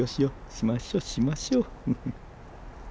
しましょしましょ。